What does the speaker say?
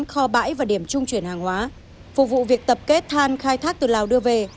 kho bãi và điểm trung chuyển hàng hóa phục vụ việc tập kết than khai thác từ lào đưa về